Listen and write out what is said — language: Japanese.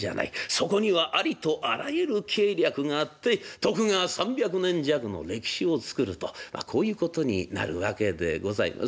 そこにはありとあらゆる計略があって徳川３００年弱の歴史を作るとこういうことになるわけでございます。